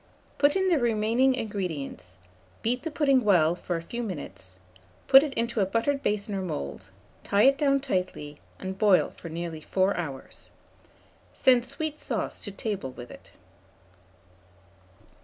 Put in the remaining ingredients; beat the pudding well for a few minutes; put it into a buttered basin or mould; tie it down tightly, and boil for nearly 4 hours. Send sweet sauce to table with it.